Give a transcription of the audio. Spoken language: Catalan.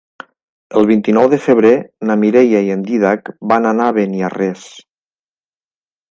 El vint-i-nou de febrer na Mireia i en Dídac van a Beniarrés.